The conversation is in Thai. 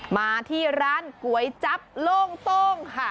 มาที่ร้านก๋วยจับโล่งโต้งค่ะ